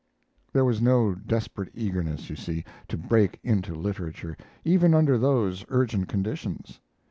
There was no desperate eagerness, you see, to break into literature, even under those urgent conditions.